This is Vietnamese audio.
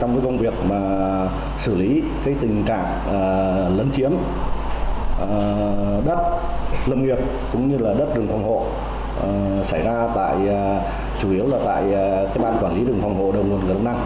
trong công việc xử lý tình trạng lấn chiếm đất lâm nghiệp cũng như đất rừng phòng hộ xảy ra chủ yếu tại ban quản lý rừng phòng hộ đầu nguồn crom năng